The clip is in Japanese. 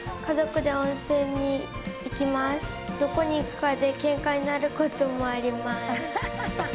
どこに行くかでケンカになることもあります。